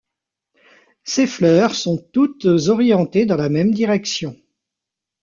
Ses fleurs sont toutes orientées dans la même direction.